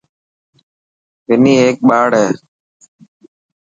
وني هيڪ ٻاڙ هي.